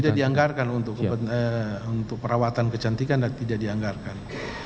tidak dianggarkan untuk perawatan kecantikan dan tidak dianggarkan